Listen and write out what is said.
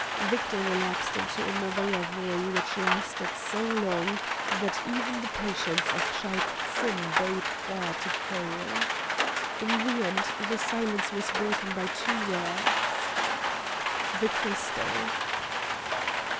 Victor relapsed into another reverie which lasted so long that even the patience of Shaik Tsin bade fair to fail. In the end the silence was broken by two words: "The crystal."